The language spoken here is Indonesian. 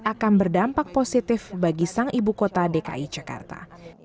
akan berdampak positif bagi sang ibu kota dki jakarta